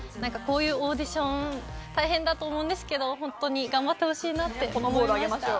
オーディション大変だと思うんですけど頑張ってほしいなって思いました。